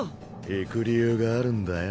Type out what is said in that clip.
行く理由があるんだよ